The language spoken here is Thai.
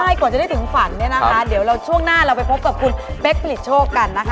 ใช่ก่อนจะได้ถึงฝันเนี่ยนะคะเดี๋ยวเราช่วงหน้าเราไปพบกับคุณเป๊กผลิตโชคกันนะคะ